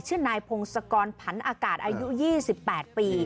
ชื่อนายพงศกรผันอากาศอายุ๒๘ปี